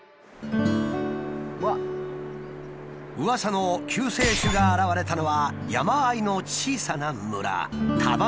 うわさの救世主が現れたのは山あいの小さな村丹波山村。